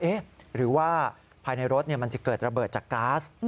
หรือว่าภายในรถมันจะเกิดระเบิดจากก๊าซ